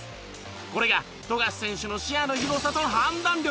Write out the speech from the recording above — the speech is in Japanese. これが富樫選手の視野の広さと判断力。